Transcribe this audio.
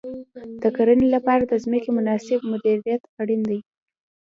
د کرنې لپاره د ځمکې مناسب مدیریت اړین دی.